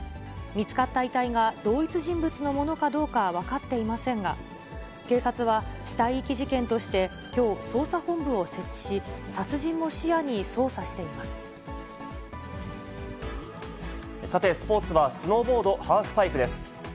見つかった遺体が同一人物のものかは分かっていませんが、警察は死体遺棄事件として、きょう、捜査本部を設置し、殺人も視野にさて、スポーツは、スノーボードハーフパイプです。